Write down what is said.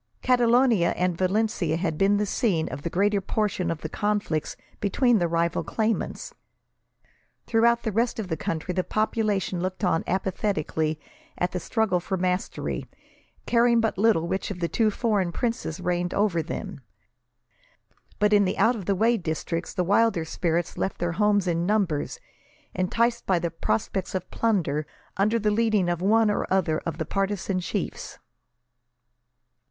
Catalonia and Valencia had been the scene of the greater portion of the conflicts between the rival claimants. Throughout the rest of the country the population looked on apathetically at the struggle for mastery, caring but little which of the two foreign princes reigned over them; but, in the out of the way districts, the wilder spirits left their homes in numbers, enticed by the prospects of plunder, under the leading of one or other of the partisan chiefs.